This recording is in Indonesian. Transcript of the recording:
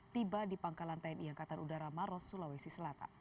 tiba di pangkalan tni angkatan udara maros sulawesi selatan